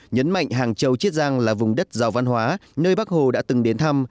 nhấn mạnh hàng châu chiết giang là vùng đất giàu văn hóa nơi bác hồ đã từng đến thăm